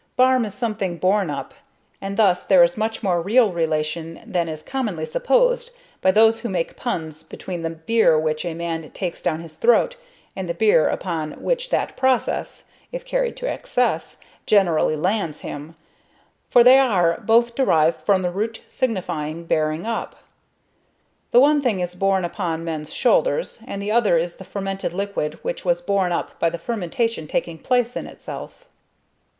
Barm is a something borne up; and thus there is much more real relation than is commonly supposed by those who make puns, between the beer which a man takes down his throat and the bier upon which that process, if carried to excess, generally lands him, for they are both derived from the root signifying bearing up; the one thing is borne upon men's shoulders, and the other is the fermented liquid which was borne up by the fermentation taking place in itself.